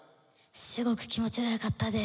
すごく気持ちが良かったです。